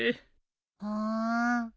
ふん。